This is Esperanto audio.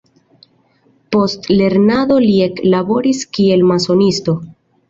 Post lernado li eklaboris kiel masonisto.